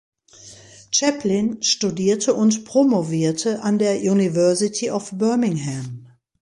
Chaplin studierte und promovierte an der University of Birmingham.